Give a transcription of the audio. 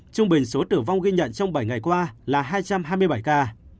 trung bình số tử vong ghi nhận trong bảy ngày qua là hai trăm hai mươi bảy ca